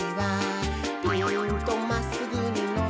「ピーンとまっすぐにのばして」